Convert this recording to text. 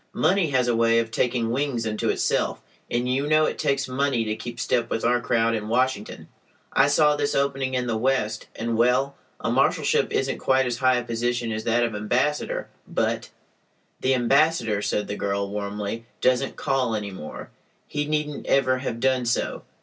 Money has a way of taking wings unto itself, and you know it takes money to keep step with our crowd in Washington. I saw this opening in the West, and—well, a marshalship isn't quite as high a position as that of ambassador, but—" "The ambassador," said the girl, warmly, "doesn't call any more. He needn't ever have done so.